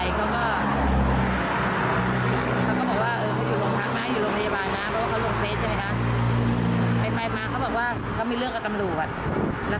เรารู้สึกไม่โอเคแล้ว